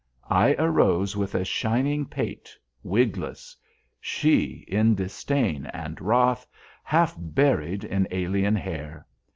I arose with a shining pate, wigless; she in disdain and wrath, half buried in alien hair.